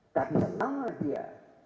tapi selama dia